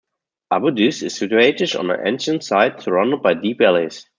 Abu Dis is situated on an ancient site, surrounded by deep valleys.